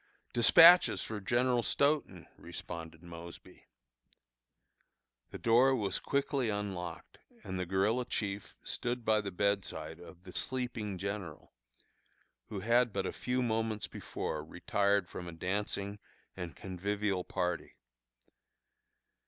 "Despatches for General Stoughton," responded Mosby. The door was quickly unlocked, and the guerilla chief stood by the bedside of the sleeping general, who had but a few moments before retired from a dancing and convivial party.